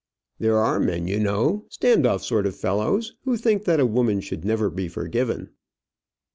"There are men, you know, stand off sort of fellows, who think that a woman should never be forgiven."